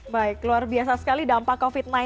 baik luar biasa sekali dampak covid sembilan belas